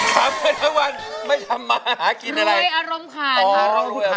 ขำเครื่องทั้งวันไม่ทำมา